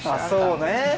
そうね。